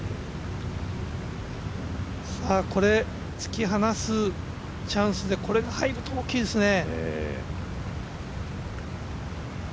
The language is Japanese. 突き放すチャンスでこれが入ると大きいですね。